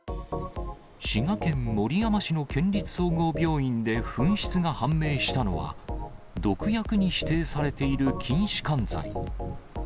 滋賀県守山市の県立総合病院で紛失が判明したのは、毒薬に指定されている筋しかん剤。